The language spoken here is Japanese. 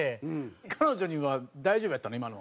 彼女には大丈夫やったの？